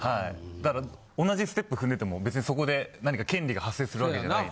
だから同じステップ踏んでても別にそこで何か権利が発生する訳じゃないので。